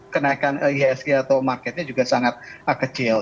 kenaikan ihsg atau marketnya juga sangat kecil